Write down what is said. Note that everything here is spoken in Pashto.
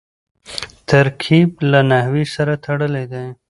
ترکیب له نحوي سره تړلی دئ.